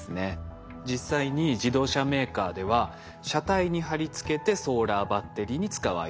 実際に自動車メーカーでは車体に貼り付けてソーラーバッテリーに使うアイデア。